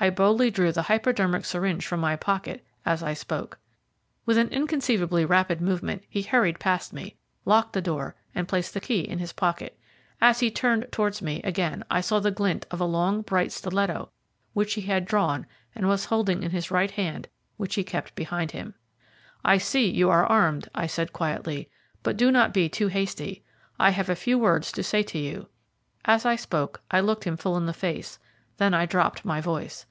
I boldly drew the hypodermic syringe from my pocket as I spoke. With an inconceivably rapid movement he hurried past me, locked the door, and placed the key in his pocket. As he turned towards me again I saw the glint of a long, bright stiletto which he had drawn and was holding in his right hand, which he kept behind him. "I see you are armed," I said quietly, "but do not be too hasty. I have a few words to say to you." As I spoke I looked him full in the face, then I dropped my voice.